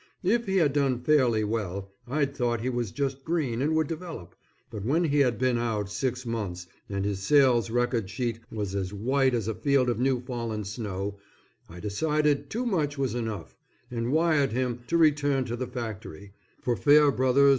If he had done fairly well, I'd thought he was just green and would develop, but when he had been out six months and his sales record sheet was as white as a field of new fallen snow, I decided too much was enough, and wired him to return to the factory, for Fair Bros.